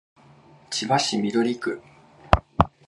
千葉市緑区